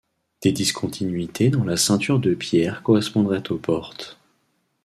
Des discontinuités dans la ceinture de pierre correspondraient aux portes.